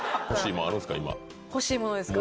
欲しい物ですか？